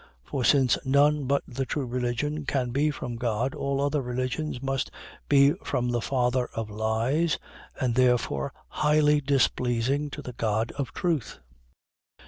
For since none but the true religion can be from God, all other religions must be from the father of lies, and therefore highly displeasing to the God of truth.